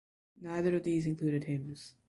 Neither of these included hymns.